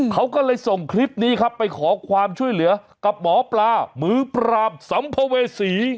เขาก็เลยส่งคลิปนี้ครับไปขอความช่วยเหลือกับหมอปลามือปราบสัมภเวษี